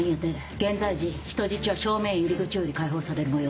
現在時人質は正面入り口より解放されるもよう。